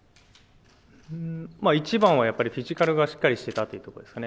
一番はやっぱりフィジカルがしっかりしてたということですね。